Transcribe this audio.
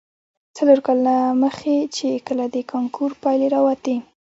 څلور کاله مخې، چې کله د کانکور پايلې راوتې.